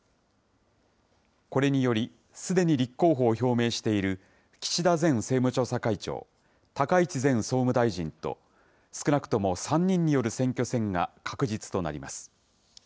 これにより、すでに立候補を表明している岸田前政務調査会長、高市前総務大臣と、少なくとも３人による選挙戦が確実となります。